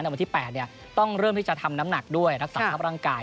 วันที่๘ต้องเริ่มที่จะทำน้ำหนักด้วยรักษาภาพร่างกาย